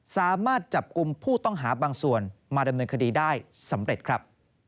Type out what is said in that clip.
สามารถจับกลุ่มผู้ต้องหาบางส่วนมาดำเนินคดีได้สำเร็จครับ